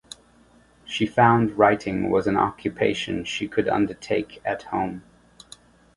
She found writing was an occupation she could undertake at home.